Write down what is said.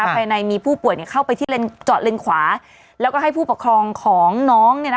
ภายในมีผู้ป่วยเข้าไปที่เจาะเลนขวาแล้วก็ให้ผู้ปกครองของน้อง